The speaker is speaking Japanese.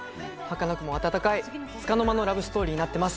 はかなくも温かいつかの間のラブストーリーになってます。